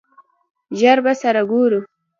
ژر به سره ګورو!